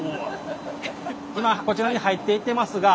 今こちらに入っていってますが。